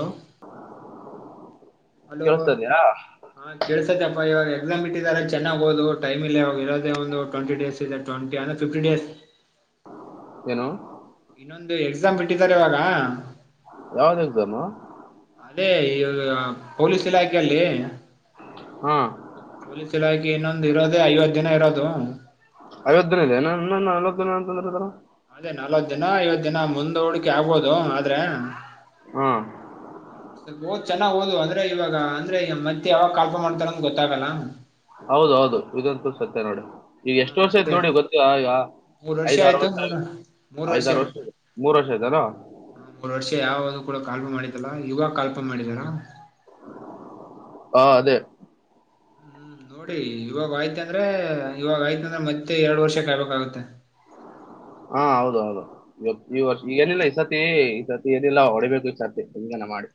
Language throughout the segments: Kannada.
ಹಲೋ ಅಲೋ ಕೇಳಿಸ್ತದ್ಯಾ ಹಾ ಕೇಳ್ಸತಿ ಅಪ್ಪ ಹೇಳ್. ಎಕ್ಸಾಮ್ ಇಟ್ಟಿದ್ದಾರೆ ಚೆನ್ನಾಗ್ ಓದು ಟೈಮ್ ಇಲ್ಲಿ ಇವಾಗ ಇರೋದೇ ಒಂದು ಟ್ವೆಂಟಿ ಡೇಸ್ ಇದೆ ಟ್ವೆಂಟಿ ಅಂದ್ರೆ ಫಿಫ್ಟಿನ್ ಡೇಸ್. ಏನು ಇನ್ನೊಂದು ಎಕ್ಸಾಮ್ ಬಿಟ್ಟಿದ್ದಾರೆ ಇವಾಗ. ಯಾವ್ದ ಎಕ್ಸಾಮೊ. ಅದೇ ಪೊಲೀಸ್ ಇಲಾಖೆಯಲ್ಲಿ. ಹಾ ಪೊಲೀಸ್ ಇಲಾಖೆ ಇನ್ನೊಂದ್. ಒಂದ್ ಇರೋದೇ ಐವತ್ತು ದಿನ ಇರೋದು. ಅಯೋಧ್ಯ್ಯನೆ [unintelligible] ಅದೇ ನಲ್ವತ್ ದದನ ಐವತ್ ದಜನ ಮುಂದೂಡಿಕೆ ಆಗ್ಬೋದು ಆದ್ರೆ. ಹ್ಮ್. ಸ್ವಲ್ಪ ಹೋದ್ ಚೆನ್ನಾಗೋದು ಅಂದ್ರೆ ಇವಾಗ ಅಂದ್ರೆ ಮತ್ತೆ ಯಾವಾಗ ಕಾಲ್ ಫಾರ್ಂ ಮಾಡ್ತಾರಂತ್ ಗೊತ್ತಾಗಲ್ಲ. ಹೌದು ಹೌದು ಇದಂತೂ ಸತ್ಯ ನೋಡಿ. ಈಗ ಹ ಎಷ್ಟು ವರ್ಷ ಐತ್ ಮತ್ತೆ ನೋಡಿ ಗೊತ್ತಿ ಈಗ ಮೂರ್ ಐದ ಆರ್ ಆಯ್ತು ವರ್ಷ ಮೂರ್ ಐದಾರು ವರ್ಷ ಮೂರ್ ವರ್ಷ ಆಯ್ತಲ. ಹ ಮೂರ್ ವರ್ಷ ಯಾವ್ದು ಕೂಡ ಕಲ್ ಫಾರ್ ಮಾಡಿದ್ದಿಲ್ಲ ಇವಾಗ ಕಾಲ್ಪಫಾರ ಮಾಡಿದಾರಾ. ಹಾ ಅದೇ. ಹ್ಮ್ ನೋಡಿ ಇವಾಗ ಆಯ್ತ ಅಂದ್ರೆ ಇವಾಗ ಆಯ್ತ ಅಂದ್ರೆ ಮತ್ತೆ ಎರಡು ವರ್ಷ ಕಾಯಬೇಕಾಗತ್ತೆ. ಹಾ ಹೌದು ಹೌದು ಇವತ್ತು ಈ ವರ್ಷ ಏನಿಲ್ಲ ಈ ಸರ್ತಿ ಈ ಸತಿ ಏನಿಲ್ಲ ಹೊಡಿಬೇಕು ಈ ಸರ್ತಿ ಹೆಂಗನ ಮಾಡಿ.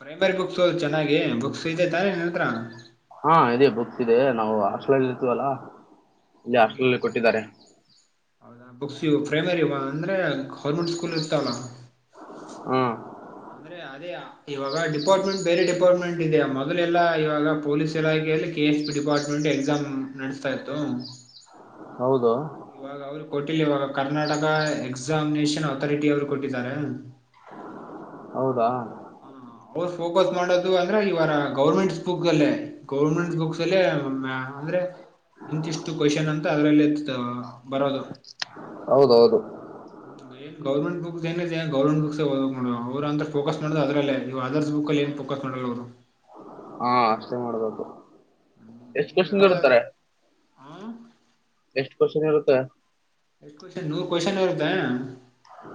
ಪ್ರೈಮರಿ ಬುಕ್ಸ್ ಹೋದ್ ಚೆನ್ನಾಗಿ ಬುಕ್ಸ್ ಇದೈ ತಾ ನಿನ್ನತ್ರ. ಹಾ ಇದೆ ಬುಕ್ಸ ನಾವು ಹಷ್ಟಲಲ್ಲಿ ಇರ್ತಿವಲ್ಲ. ಹ್ಮ್ ಹಾಸ್ಟೇಲ್ಲಲಿ ಕೊಟ್ಟಿದ್ದಾರೆ. ಹೌದಾ ಬುಕ್ಸ್ ಪ್ರೈಮರಿ ಅಂದ್ರೆ ಗೌರ್ಮೆಂಟ್ ಸ್ಕೂಲ್ ಇರ್ತವಲ್ಲ. ಆ ಅಂದ್ರೆ ಅದೇ ಇವಾಗ ಡಿಪಾರ್ಟ್ಮೆಂಟ್ ಬೇರೆ ಡಿಪಾರ್ಟ್ಮೆಂಟ್ ಇದೆೆಯ ಮೊದಲೆಲ್ಲ ಇವಾಗ ಪೊಲೀಸ್ ಇಲಾಖೆಯಲ್ಲಿ K S P department exam ನಡೆಸ್ತಾ ಇತ್ತು. [inaudible] ಇವಾಗ ಅವರು ಕೊಟ್ಟ. ಇಲ್ಲ ಇವಾಗ ಕರ್ನಾಟಕ ಎಕ್ಸಾಮಿನೇಷನ್ ಅಥಾರಿಟಿ ಅವ್ರು ಕೊಟ್ಟಿದ್ದಾರೆ. ಹೌದಾ. ಹ ಅವರು ಫೋಕಸ್ ಮಾಡೋದು ಅಂದ್ರೆ ಇವರ ಗೌರ್ಮೆಂಟ್ಸ್ ಬುಕ್ ಅಲ್ಲೇ ಗವರ್ಮೆಂಟ್ ಬುಕ್ಸ್ ಅಲ್ಲೆ. ಅಂದ್ರೆ ಇಂತಿಷ್ಟು ಕೊಷನ್ ಅಂತ. ಅದ್ರಲ್ಲಿ ಇರ್ತದ. ಬರೋದು ಹೌದೌದು ಹ್ಮ್ ಮೇನ್ ಗೌರ್ಮೆಂಟ್. ಗೌ ಬುಕ್ಸ್ ಏನಿದೆ ಗೌರ್ನಮೆಂಟ್ ಬುಕ್ಸ್ಯೇ ಓದಬೇಕು ನೋಡ್ ಅವ್ ಅವ್ರ ಅಂದ್ರ ಫೋಕಸ್ ಇಲ್ಲಾಂದ್ರೆ ಅದ್ರಲ್ಲೇ ಇವು ಅದರ್ಸ್ ಬುಕ್ಕಲ್ಲಿ ಏನ್ಫೋಕಸ್ ಮಾಡಲ್ಲ ಅವರು. ಹಾ ಅಷ್ಟೇ ಮಾಡ್ಬೇಕು. ಹ್ಮ್ ಎಷ್ಟು ನೀವು ಕೋಷನ್ ಯಾವ್ದ ನಿಡುತ್ತರೇ ಹ ಎಷ್ಟ್ ಕೊಶ್ [unintelligible] ಎಷ್ಟ ಕೊಷನ್ ನೂರ್ ಕೊಷನ್ ಇರುತ್ತಾ.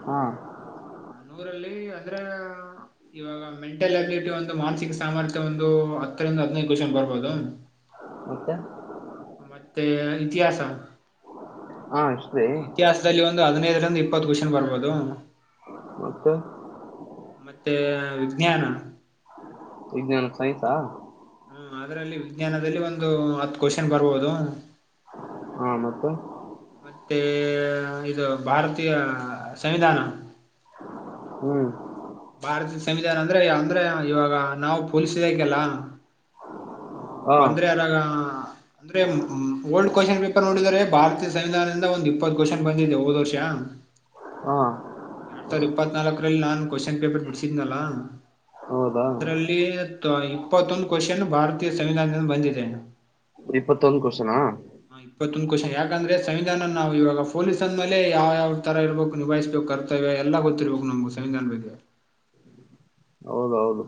ಹಾ ನೂರಲ್ಲಿ ಅಂದ್ರೆ ಇವಾಗ ಮೆಂಟಲ್ ಅಬಿಲಿಟಿ ಒಂದು ಮಾನಸಿಕ ಸಾಮರ್ಥ್ಯ ಒಂದು ಹತ್ತರಿಂದ ಹದ್ನೈದು ಕೊಷನ್ ಬರ್ಬೋದ. ಮತ್ತೆ ಮತ್ತೆ ಇತಿಹಾಸ. ಹಾ [unintelligible] ಐದಿನೈದ್ರಿಂದ ಇಪ್ಪತ್ತು ಕೊಶನ್ ಬರ್ಬೋದು. ಮತ್ತೆ ಮತ್ತೆ ವಿಜ್ಞಾನ ವಿಜ್ಞಾನ ಸೈಂನ್ಸ್ ಅಹ್. ಹ್ಮ ಅದ್ರಲ್ಲಿ ವಿಜ್ಞಾನದಲ್ಲಿ ಒಂದು ಹತ್ ಕೊಷನ್ ಬರ್ಬೋದು. ಹಾ ಮತ್ತೆ ಮತ್ತೇ ಇದು ಭಾರತೀಯ ಸಂವಿಧಾನ. ಹ್ಮ್ ಭಾರತ ಸಂವಿಧಾನ ಅಂದ್ರೆ ಅಂದ್ರೆ ಇವಾಗ ನಾವು ಪೊಲೀಸ್ ಇಲಾಖೆ ಅಲಾ. ಹ ಹಾ ಬಂದ್ರೆ ಅದಾಗ ಅಂದ್ರೆ ಹ್ಮ್ ಓನ್ ಕೊಷನ್ ಪೇಪರ್ ನೋಡಿದರೆ ಭಾರತೀಯ ಸಂವಿಧಾನದಿಂದ ಒಂದು ಇಪ್ಪತ್ತು ಕೊಷನ್ ಬಂದಿದೆ ಹೋದ್ ವರ್ಷ ಹಾ ಎರಡ್ ಸಾವಿರದ ಇಪ್ಪತ್ನಾಕರಲ್ಲಿ ನಾನು. ಕ್ವೆಶನ್ ಪೇಪರ್ ಬಿಡ್ಸಿದ್ನಲ್ಲಾ ಹೌದಾ ಅದ್ರಲ್ಲಿ ಇಪ್ಪತ್ತೊಂದು ಕೊಷನ್ ಭಾರತೀಯ ಸಂವಿಧಾನದಿಂದ ಬಂದಿದೆ. ಇಪ್ಪತ್ತೊಂದು ಕೊಷನ್ ಅಹ್ ಹ ಇಪ್ಪತ್ತೊಂದು ಕ್ವಶನ್ ಯಾಕಂದ್ರೆ ಸಂವಿಧಾನ ನಾವು ಇವಾಗ ಪೊಲೀಸ್ ಅಂದ ಮೇಲೆ ಯಾವ್ ಯಾವ್ ತರ ಇರಬೇಕು ನಿಭಾಯಿಸ್ಬೇಕು ಕರ್ತವ್ಯ ಎಲ್ಲ ಗೊತ್ತಿರ್ಬೇಕು ನಮ್ಗೆ ಸಂವಿಧಾನದ ಬಗ್ಗೆ. [inaudible] ಹೌದೌದು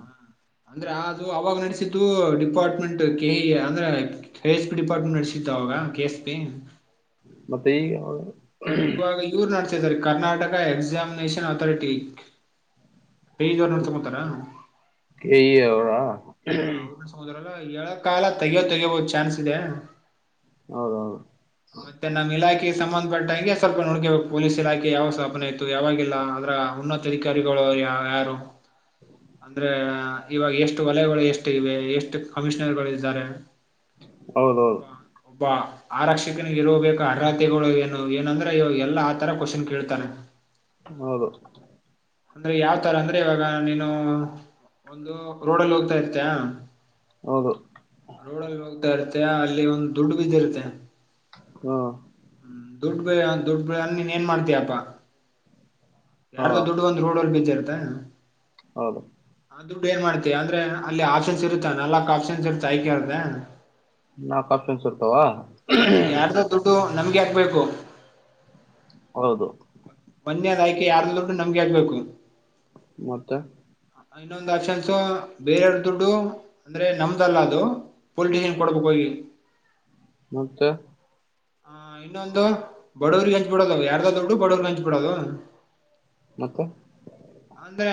ಅಂದ್ರೆ ಅದು ಅವಾಗ ನಡೆಸಿತ್ತು ಡಿಪಾರ್ಟ್ಮೆಂಟ್ ಕೆಇಎ ಅಂದ್ರೆ ಕೆ ಕ್ ಕ್ ಎಸ್ ಪಿ ಡಿಪಾರ್ಟ್ಮೆಂಟ್ ನಡ್ಸಿತ್ತು ಅವಾಗ ಕೆ ಎಸ್ ಪಿ. ಮತ್ತೆ ಈಗ [unintelligible] ಇವಾಗ ಇವ್ರ ನಾಡ್ಸ್. ಕರ್ನಾಟಕ ಎಕ್ಸಾಮಿನೇಷನ್ ಅಥಾರಿಟಿ ಪೇಜ್ ಅವ ನೋ ತಗೊತಾರ. ಕಇಆ ಅವರಾ. ಯಳ ಕಾಲ ತೆಗಯೋ ತೆಗೆಯಬಹ ಚಾನ್ಸ್ ಇದೆ. ಹೌದೌದು ಮತ್ತೆ ನಮ್ಮ ಇಲಾಕಿ. ಟ್ಟ. [unintelligible] ಹಂಗೆ ಸ್ವಲ್ಪ ನೋಡ್ಕ ಪೊಲೀಸ್ ಇಲಾಖೆ ಯಾವ ಸ್ಥಾಪನೆ ಇತ್ತು ಯಾವಾಗಿಲ್ಲ ಅದ್ರ ಉನ್ನತ ಅಧಿಕಾರಿಗಳುರು ಯ ಯಾರು ಅಂದ್ರೆ ಇವಾಗ ಎಷ್ಟು ವಲಯಗಳು ಎಷ್ಟ ಇವೆ ಎಷ್ಟು ಕಮಿಷನರ್ಗಳು ಇದ್ದಾರೆ. ಒಬ ಹೌದೌದು ಒಬಾ. ಆರಕ್ಷಕನ ಇರಬೇಕು ಅರ್ಹತೆಗಳು. ಏನಂದ್ರೆ ಇವಾಗ ಎಲ್ಲಾ ಆ ತರ ಕ್ವಶನ್ ಕೇಳ್ತಾರ. ಹೌದು. ಅಂದ್ರೆ ಯಾವ ತರ ಅಂದ್ರೆ ಇವಾಗ ನೀನು ಒಂದು ರೋಡಲ್ಲಿ ಹೋಗ್ತಾ ಇರ್ತಯ. ಹೌದು. ಡ್ ಇರುತ್ತ ಅಲ್ಲಿ ಒಂದು್ ದುಡ್ಡು ಬಿದ್ದ ಇರುತ್ತೆ. ಹ್ಮ. ದುಡ್ಡು ಬ ದುಡ್ಡು ಬ ಅ ನೀನ್ ಏನ್ ಮಾಡ್ತೀಯಪ್ಪಾ. ಹ್ಮ. [unintelligible] ಇರ್ತಾ. ಹೌದು. ದುಡ್ಡ್ ಎನ್ ಮಾಡ್ತಿ ಅಂದ್ರೆ ಅಲ್ಲಿ ಆಪ್ಷನ್ ಇರುತ್ತ ನಾಕ್ ಆಪ್ಷನ್ಸ್ ಇರುತ್ತ ಆ ಕೇಳ್ದ. ನಾಕ್ ಒಪ್ಶನ್ ಇರ್ತವ. ನಮಗೆ ಯಾಕಬೇಕು. ಹೌದು. ಮೊನ್ನೆ ಆದ ಆಯ್ಕೆ ಯಾರದೋ ದುಡ್ಡ್ ನಮ್ಗೆ ಯಾಕ್ ಬೇಕು. ಮತ್ತ. ಇನ್ನೊಂದು ಆಪ್ಷನ್ಸ್ ಬೇರೆಯರ್ ದುಡ್ಡು ಅಂದ್ರೆ ನಮ್ದಲ್ಲ ಅದು ಪೊಲಿಟಷನ್ ಕೊಡ್ಬೇಕ ಹೋಗಿ. ಮತ್ತೆ. ಹಾ ಇನ್ನೊಂದು ಬಡವರ್ರಿಗೆ ಹಂಚ್ ಬಿಡೋದ ಯಾರದ ದೊಡ್ಡು ಬಡವರ್ಗೆ ಹಂಚ್ಬ. ಬಿಡೋದು. ಮತ್ತೆ ಅಂದ್ರೆ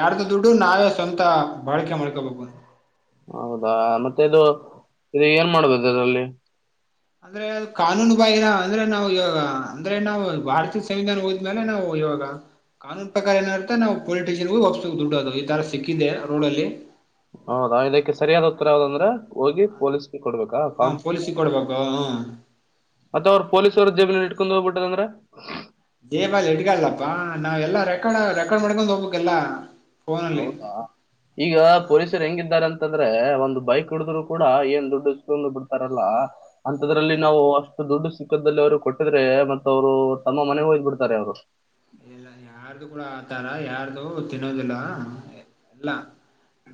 ಯಾರ್ದ ದುಡ್. ಇದು ನಾವೇ ಸ್ವಂತ ಬಾಳಕೆ ಮಾಡ್ಕೊಬಬುದು. ಹೌದಾ ಮತ್ತೆ ಇದು ಇದು ಏನ್ ಮಾಡುದುದು ಅದ್ರಲ್ಲಿ. ಅಂದ್ರೆ ಅ ಕಾನೂನು ಬಾಹಿರ ಅಂದ್ರೆ ನಾವು ಇವಾಗ ಅಂದ್ರೆ ನಾವು ಭಾರತೀಯ ಸಂವಿಧಾನ ಹೋದ್ಮೇಲೆ ನಾವು ಇವಾಗ ಕಾನೂನು ಪ್ರಕಾರ ಏನತೆ ನಾವು ಪೊಲಿಟಿಷನ್ಗ ವಾಪ್ಸ ದುಡ್ಡ ಅದು ಈ ತರ ಸಿಕ್ಕಿದೆ ರೋಡ್ಲ್ಲಿ. ಹೌದಾ ಇದಕ್ಕೆ ಸರಿಯಾದ ಉತ್ತರ ಯಾವ್ದದಂದ್ರ. ಹೋಗಿ ಪೊಲೀಸ್ಗೆ ಕೊಡ್ಬೇಕಾ ಹ ಕಾನ್ ಪೊಲೀಸಿಗೆ ಕೊಡ್ಬೇಕು ಹ ಮತ್ತ ಅವರು ಪೊಲೀಸವರ ಜೇಬಿನ ಇಟ್ಕೊಂಡ ಹೋಗ್ಬಿಟ್ಟು. ಅಂದ್ರೆ. ಜೇಬಲ್ ಹಿಡ್ಗಲ್ಲಪ್ಪಾ ನಾವ್ ಎಲ್ಲಾ ರೆಕಾರ್ಡ್ ರೆಕಾರ್ಡ್ ಮಾಡ್ಕೊಂಡು ಹೋಗ್ಬೇಕೆಲ್ಲಾ. ಹೌದಾ ಈಗ ಪೊಲೀಸರು ಹೆಂಗಿದ್ದಾರಂ ತಂದ್ರೆ ಒಂದು ಬೈಕ್ ಹಿಡಿದ್ರು ಕೂಡ ಏನ್ ದುಡ್ಡಿಸ್ಕೊಂಡು ಬಿಡ್ತಾರಲ್ಲ. ಅಂತದ್ರಲ್ಲಿ ನಾವು ಅಷ್ಟು ದುಡ್ಡು ಮುಖದಲ್ಲಿ ಅವ್ರು ಕೊಟ್ಟಿದ್ರೆ ಮತ್ತ್ ಅವ್ರು ತಮ್ಮ ಮನೆಗೆ ಹೋಗ್ ಬಿಡ್ತಾರೆ ಅವ್ರು. ಇಲ್ಲ ಯಾರ್ದು ಕೂಡ ಆತರ ಯಾರ್ದು ತಿನ್ನೋದಿಲ್ಲ ಇಲ್ಲ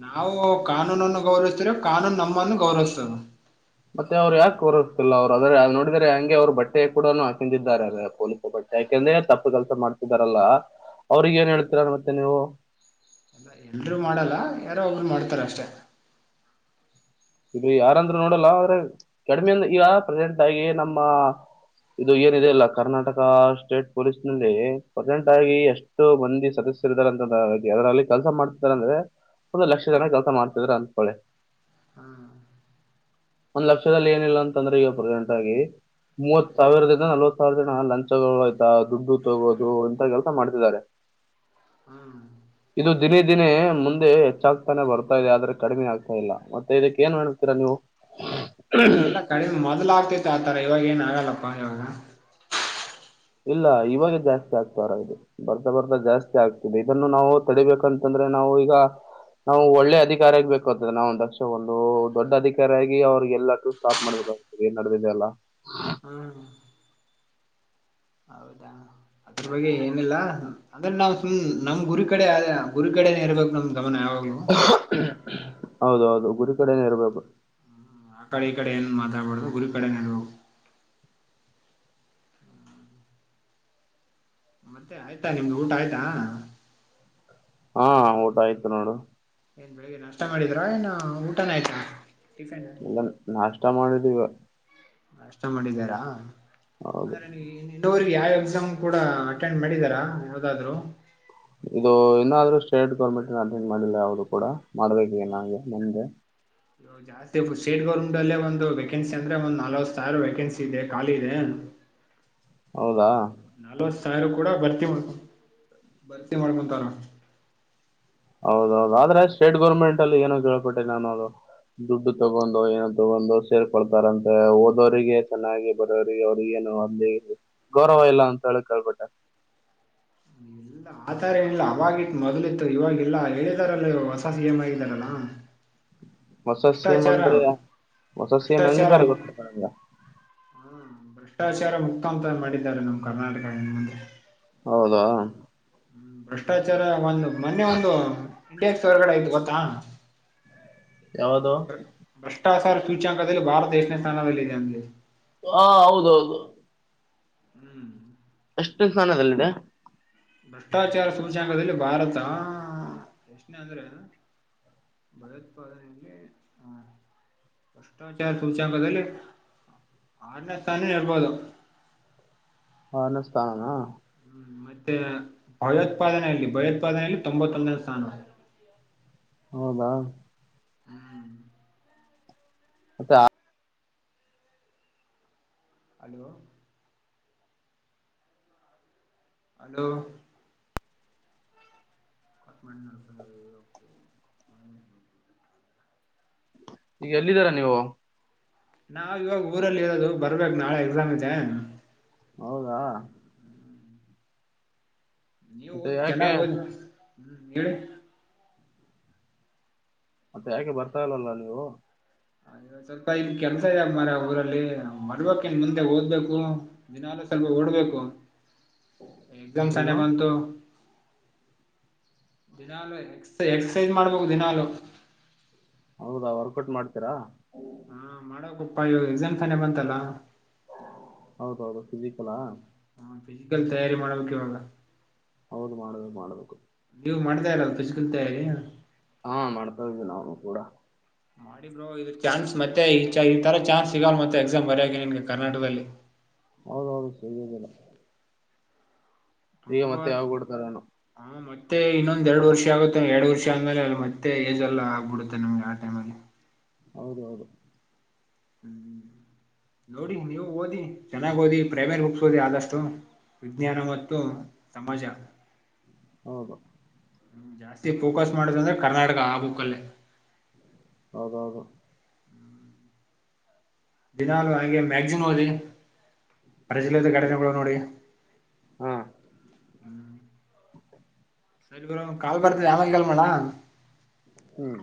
ನಾವು ಕಾನೂನನ್ನು ಗೌರಸ್ದ್ರೆ ಕಾನೂನು ನಮ್ಮನ್ನು ಗೌರವಿಸ್ತದ. ಮತ್ತೆ ಅವ್ರು ಯಾಕೆ ಕೂರುಸ್ತಿಲ್ಲ ಅವ್ರು ಅದ್ರ ಅ ನೋಡಿದ್ರರೆ ಹೆಂಗೆ ಅವ್ರು ಬಟ್ಟೆ ಕೂಡನೂ ಹಾಕೊಂಡಿದ್ದಾರೆ ಪೊಲೀಸ ಬಟ್ಟೆ ಹಾಕಂದ್ರೆ ತಪ್ಪು ಕೆಲಸ ಮಾಡ್ತಿದಾರಲ್ಲ ಅವ್ರಿಗ್ ಏನ್ ಹೇಳ್ತಿರ ಮತ್ತೆ ನೀವು? ಎಲ್ರೂ ಮಾಡಲ್ಲ ಯಾರೋ ಒಬ್ರು ಮಾಡ್ತಾರಷ್ಟೆ ಇಲ್ಲಿ ಯಾರಂದ್ರೂ ನೋಡಲ್ಲ ಆದ್ರೆ ಕಡಿಮೆಂದ ಈಗ ಪ್ರೆಸೆಂಟ್ ಆಗಿ ನಮ್ಮ ಇದು ಏನಿದೆ ಇಲ್ಲ ಕರ್ನಾಟಕ ಸ್ಟೇಟ್ ಪೊಲೀಸ್ನಲ್ಲಿ ಪ್ರೆಸೆಂಟಾಗಿ ಎಷ್ಟು ಮಂದಿ ಸದಸ್ಯರಿದಾರಂತಂದ ಅದ್ರಲ್ಲಿ ಕೆಲ್ಸ ಮಾಡ್ತಿದ್ದಾರೆ ಅಂದ್ರೆ ಒಂದು ಲಕ್ಷ ಜನ ಕೆಲ್ಸ ಮಾಡ್ತಿದಿದ್ದಾರೆ ಅಂತ್ಕೊಳ್ಳಿ ಹ್ಮ್ ಒಂದ್ ಲಕ್ಷದಲ್ಲಿ ಏನಿಲ್ಲ ಅಂತಂದ್ರೆ ಈಗ ಪ್ರೆಸೆಂಟ್ ಆಗಿ ಮೂವತ್ ಸಾವಿರದಿಂದ ನಲ್ವತ್ ಸಾವಿರ ಜನ ಲಂಚಗಳು ಆಯ್ತಾ ದುಡ್ಡು ತಗೋದು ಇಂತ ಕೆಲಸ ಮಾಡ್ತಿದ್ದಾರೆ ಹ್ಮ್ ಇದು ದಿನೇ ದಿನೇ ಮುಂದೆ ಹೆಚ್ಚಾಗ್ತಾನೆ ಬರ್ತಾ ಇದೆ ಆದ್ರೆ ಕಡಿಮೆ ಆಗ್ತಾ ಇಲ್ಲ ಮ ಇದಕ್ಕೆ ಏನ್ ಮಾಡ್ಸ್ತೀರಾ ನೀವು? ಇವಾಗೆಲ್ಲ ಕಡಿಮೆ ಮೊದಲ ಆಗ್ತೈತೆ ಆತರ ಇವಾಗ ಏನ್ ಆಗಲ್ಲ. [unintelligible] ಇಲ್ಲ ಇವಾಗ ಜಾಸ್ತಿ ಆಗ್ತರ ಇದು ಬರ್ತಾ ಬರ್ತಾ ಜಾಸ್ತಿ ಆಗ್ತಿದೆ ಇದನ್ನು ನಾವು ತಡಿಬೇಕಂತಂದ್ರೆ ನಾವು ಈಗ ನಾವು ಒಳ್ಳೆ ಅಧಿಕಾರ ಇಕಬೇಕಾಗ್ತದೆ ನಾವುಂದು ದಕ್ಷ ಒಂದು ದೊಡ್ಡ ಅಧಿಕಾರಿಯಾಗಿ ಅವ್ರು ಎಲ್ಲಕ್ಕು ಸ್ಟಾಪ್ ಮಾಡ್ಬೇಕಾಗ್ತದೆ ಏನ್ ನಡೆದಿದೆ ಅಲ್ಲ. ಹ್ಮ್ ಹೌದಾ ಅದ್ರ ಬಗ್ಗೆ ಏನಿಲ್ಲ ಅದ್ರ ನಾವು ಸುಮ್ ನಮ್ ಗುರಿ ಕಡೆ ಗುರಿ ಕಡೆನೆ ಇರಬೇಕು ನಮ್ ಗಮನ ಯಾವಾಗ್ಲೂ ಹೌದೌದು ಗುರಿ ಕಡೆನೆ ಇರ್ಬೇಕು. ಹ್ಮ್ ಆ ಕಡೆ ಈ ಕಡೆ ಏನ್ ಮಾತಾಡ್ಬಾರ್ದು ಗುರಿ ಕಡೆನೇ ಇರ್ಬೇಕು. ಮತ್ತೆ ಆಯ್ತಾ ನಿಮ್ದ್ ಊಟ ಆಯ್ತಾ. ಹುಂ ಊಟ ಆಯ್ತು ನೋಡು. ಏನ್ ಬೆಳಿಗ್ಗೆ ನಾಷ್ಟ ಮಾಡಿದ್ರ ಏನ ಊಟನೆ ಆಯ್ತ? ಇಲ್ಲ ನಾಷ್ಟ ಮಾಡಿದ್ ಇವಾ ನಷ್ಟ ಮಾಡಿದಾರಾ? ಹೌದು ಅದ್ರೆ ನನಗೆ ನೀ [unintelligible] ಯಾವ್ ಎಕ್ಸಾಮ್ ಕೂಡ ಅಟೆಂಡ್ ಮಾಡಿದಾರಾ ಯಾವ್ದಾದ್ರು? ಇದು ಇನ್ನಾದ್ರೂ ಸ್ಟೇಟ್ ಗೌರ್ಮೆಂಟ್ ಅಟೆಂಡ್ ಮಾಡಿಲ್ಲ ಯಾವ್ದೂ ಕೂಡ. ಮಾಡ್ಬೇಕಿದೆ ನಂಗೆ ಮುಂದೆ. ಜಾಸ್ತಿ ಸ್ಟೇಟ್ ಗೌರ್ಮೆಂಟಲ್ಲೇ ಒಂದು ವೇಕೆನ್ಸಿ ಅಂದ್ರೆ ಒಂದ್ ನಲ್ವತ್ತು ಸಾವ್ರ ವೇಕೆನ್ಸಿ ಇದೆ ಖಾಲಿ ಇದೆ. ಹೌದಾ? ತಾಯ್ರು ಕೂಡ ಭರ್ತಿ ಮಾಡಕ ಭರ್ತಿ ಮಾಡ್ಕೊಂತಾರ. ಹೌದೌದು ಆದ್ರೆ ಸ್ಟೇಟ್ ಗೌರ್ಮೆಂಟಲ್ಲಿ ಏನೋ ಕೇಳ್ಪಟ್ಟೆ ನಾನು ಅದು ದುಡ್ಡು ತಗೊಂಡೋ ಏನ ತಗೊಂಡೋ ಸೇರ್ಕೊಳ್ತಾರಂತೆ ಓದೋರಿಗೆ ಚೆನ್ನಾಗಿ ಬರೋರಿಗೆ ಅವ್ರ್ಗ ಏನು ಅಲ್ಲಿ ಗೌರವ ಇಲ್ಲ ಅಂತ ಹೇಳ ಕೇಳ್ಪಟ್ಟೆ. ಇಲ್ಲ ಆತರ ಏನಿಲ್ಲ ಅವಾಗಿತ್ತು ಮೊದ್ಲಿತ್ತು ಇವಾಗಿಲ್ಲ ಹೇಳಿದಾರಲ್ಲ ಹೊಸ ಸಿ ಎಂ ಆಗಿದಾರಲ್ಲ. ಹೊಸ ಸ್ಕೀಮ್ ಭ್ರಷ್ಟಾಚಾರ ಅಂದ್ರೆ ಹೊಸ ಸ್ಕೀಮ್ ಭ್ಷ್ಟಾಚಾರ ಹೆಂಗಿದ್ದಾರೆ ಗೊತ್ತಂಗ ಭ್ರಷ್ಟಾಚಾರ ಮುಕ್ತಾಂತ ಮಾಡಿದ್ದಾರೆ ನಮ್ ಕರ್ನಾಟಕ ಇನ್ಮುಂದೆ. ಹೌದಾ? ಭ್ರಷ್ಟಾಚಾರ. ಮೊನ್ನೆ ಒಂದು. ಇಂಡಿಯಕ್ಸ್ ಹೊರಗಡೆ ಆಯ್ತು ಗೊತ್ತಾ. ಯಾವದು. ಅ ಸಾವಿರ ಸೂಚ್ಯಂಕದಲ್ಲಿ ಭಾರತ ದೇಶನೇ ಸ್ಥಾನಲ್ಲಿದೆದೆ ಅಂದೆ. ಹಾ ಹೌದೌದು. ಹ್ಮ್. ಎಷ್ಟು ಸ್ಥಾನದಲ್ಲಿದೆ. ಭ್ರಷ್ಟಾಚಾರ ಸೂಚ್ಯಾಂಕದಲ್ಲಿ ಭಾರತ ಎಷ್ಟನೇ ಅಂದ್ರೆ ಭಯೋತ್ಪಾದನೆಯಲ್ಲಿ ಭ್ರಷ್ಟಾಚಾರ ಸೂಚ್ಯಾಂಕದಲ್ಲಿ ಆರನೇ ಸ್ಥಾನ ನರ್ಬಹದು. ಹ ಅನ್ನಿಸ್ತಾನನಾ. ಮತ್ತೆ ಭಯೋತ್ಪಾದನೆಯಲ್ಲಿ ಭಯೋತ್ಪಾದನೆಯಲ್ಲಿ ತೊಂಬತ್ತೊಂದನೇ ಸ್ಥಾನ. ಹೌದಾ. ಹ್ಮ್ ಅತ್ತೆ. [unintelligible] ಹಲೋ. ಹಲೋ. ಕ. [inaudible] ಈಗ ಎಲ್ಲಿದ್ದೀರಾ ನೀವು. ನಾವ್ ಇವಾಗ ಊರಲ್ಲಿ ಇರೋದು ಬರ್ಬೇಕು ನಾಳೆ ಎಕ್ಸಾಮ್ ಇದೆ. ಹೌದಾ. ನೀವು ಮತ್ತೆ ಓದಿ ಯಾಕೆ ಚೆನ್ನಾಗ್ ಓದಿ. ಹ್ಮ್ ಹೇಳಿ. ಮತ್ತೆ ಯಾಕೆ ಬರ್ತಾ ಇಲ್ಲಲ್ಲ ನೀವು. ಇ ಸ್ವಲ್ಪ ಇನ್ ಕೆಲ್ಸ ಇದಾಗ ಮರ ಊರಲ್ಲಿ ಮರ್ಬೇಕಕ್ ಇನ್ ಮುಂದೆ ಓದ್ಬೇಕು ದಿನೂ ಸ್ವಲ್ಪ ಓಡ್ಬೇಕು. ಎಕ್ಸಾಮ್ ಸಾನೆ ಏನು ಬಂತು. ದಿನಾಲೂ ಎಕ್ ಎಕ್ಸಸೈಜ್ ಮಾಡ್ಬು ದಿನಾಲೂ. ಹೌದಾ ವರ್ಕೌಟ್ ಮಾಡ್ತೀರಾ. ಹಾ ಮಾಡಾಗಪ್ಪಾ ಇವಾಗ ಎಕ್ಸಾಮ್ ತಾನೇ ಬಂತಲ್ಲ. ಹೌದೌದು. [unintelligible] [unintelligible] ತಯಾರಿ ಮಾಡ್ಬಾಕ್ ಇವಾಗ. ಹೌದು ಮಾಡುದುದು ಮಾಡಬೇಕು. ನೀವು್ ಮಾಡ್ತಾ ಇರ [unintelligible] ತಯಾರಿ. ಹಾ ಮಾಡ್ತಾ ಇದ್ವಿ ನಾನು ಕೂಡ. ಮಾಡಿ ಬೋ ಇದ್ರ ಚಾನ್ಸ್ ಮತ್ತೆ ಈ ಈ ತರ ಚಾನ್ಸ್ ಸಿಗಲ್ ಮತ್ತೆ ಎಕ್ಸಾಮ್ ಬರ್ಯಾಗಿ ನಿನ್ಗೆ ಕರ್ನಾಟಕದಲ್ಲಿ. ಹೌದ ಹೌದು ಸಿಗುವುದಿಲ್ಲ. ಈಗ ಮತ್ತೆ ಯಾವ ತುಂಬಾ ಕೊಡ್ತಾರ ಏನು. ಹಾ ಮತ್ತೆ ಇನ್ನೊಂದ ಎರಡು ವರ್ಷ ಆಗುತ್ತೆ ಎರಡು ವರ್ಷ ಆದ್ಮೇಲೆ ಮತ್ತೆ ಎಜೆಲ್ಲಾ ಆಗ್ಬಿಡುತ್ತೆ ನಮ್ಗೆ ಆ ಟೈಮ ಅಲ್ಲಿ. ಹೌದ ಹೌದು. ಹ್ಮ್ ನೋಡಿ ನೀವು ಓದಿ ಚೆನ್ನಾಗ್ ಓದಿ ಪ್ರೈಮೇರಿ ಬುಕ್ಸ್ ಓದಿ ಆದಷ್ಟು ವಿಜ್ಞಾನ ಮತ್ತು ಸಮಾಜ. ಹೌದು. ಜಾಸ್ತಿ ಫೋಕಸ್ ಮಾಡುದ ಅಂದ್ರೆ ಕರ್ನಾಟಕ ಆ ಬುಕಲ್ಲೆ ಹೌದೌದು ದಿನಾಲು ಅಂಗೆ ಮ್ಯಾಗ್ಜಿನ್ ಓದಿ [unintelligible] ಘಟನೆಗುಳ್ ನೋಡಿ ಹಾ ಹ್ಮ ಸರಿ ಬ್ರೊ ಕಾಲ್ ಬರ್ತಿದ್ ಆಮೆಲ್ ಕಾಲ್ ಮಾಡ್ಲ ಹ್ಮ್